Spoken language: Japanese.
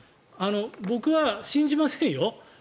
僕は信じませんよ。